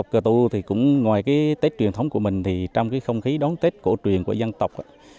cơ tu cũng ngoài tết truyền thống của mình trong không khí đón tết cổ truyền của dân tộc